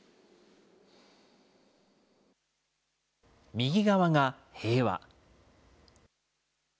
右側が平和。